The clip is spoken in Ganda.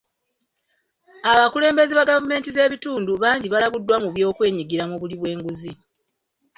Abakulembeze ba gavumenti z'ebitundu bangi balabiddwa mu kwenyigira mu buli bw'enguzi